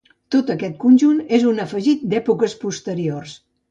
Tot aquest conjunt és un afegit d'èpoques posteriors.